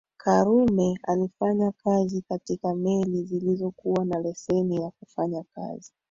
Karume alifanya kazi katika meli zilizokuwa na leseni ya kufanya kazi